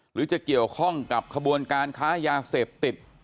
หรือจะเกี่ยวข้องกับขบวนการค้ายาเสพติด